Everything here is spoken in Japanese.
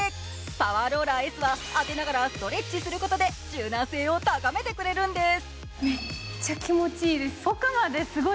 パワーローラーＳは当てながらストレッチすることで柔軟性を高めてくれるんです。